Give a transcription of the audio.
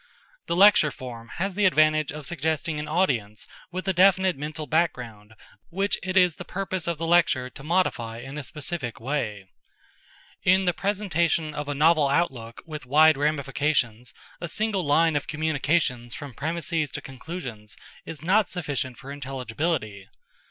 The lecture form has the advantage of suggesting an audience with a definite mental background which it is the purpose of the lecture to modify in a specific way. In the presentation of a novel outlook with wide ramifications a single line of communications from premises to conclusions is not sufficient for intelligibility.